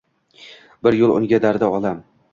Bir yo’l unga dardi olam